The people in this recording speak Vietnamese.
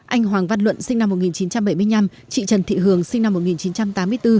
anh hoàng văn luận sinh năm một nghìn chín trăm bảy mươi năm chị trần thị hường sinh năm một nghìn chín trăm tám mươi bốn